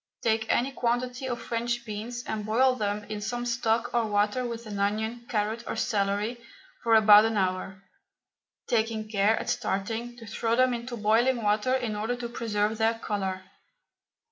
Take any quantity of French beans and boil them in some stock or water with an onion, carrot, or celery for about an hour, taking care, at starting, to throw them into boiling water in order to preserve their colour.